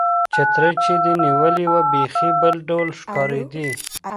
چترۍ چې دې نیولې وه، بیخي بل ډول ښکارېدې.